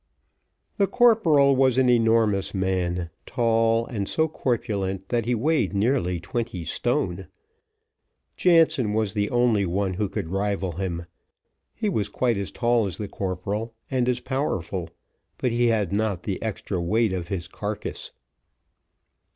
The corporal was an enormous man, tall, and so corpulent, that he weighed nearly twenty stone. Jansen was the only one who could rival him; he was quite as tall as the corporal, and as powerful, but he had not the extra weight of his carcass.